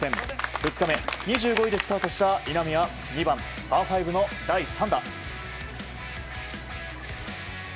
２日目２５位でスタートした稲見は２番、パー５の第３打。